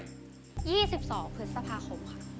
๒๒พฤษภาคมค่ะ